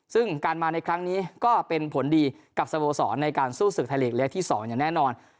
ซึ่งการมาในครั้งนี้ก็เป็นผลดีกับสโมสรในการสู้ศึกไทยลีกเล็กที่๒อย่างแน่นอน